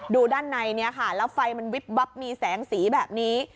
ด้านในนี้ค่ะแล้วไฟมันวิบวับมีแสงสีแบบนี้